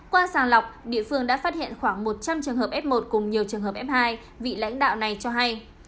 qua sàng lọc địa phương đã phát hiện khoảng một trăm linh trường hợp f một cùng nhiều trường hợp f hai vị lãnh đạo này cho hay